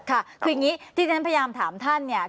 ค่ะคืออย่างนี้ที่ฉันพยายามถามท่านเนี่ย